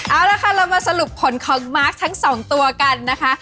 เอาละค่ะเรามาสรุปผลของมาร์คทั้งสองตัวกันนะคะ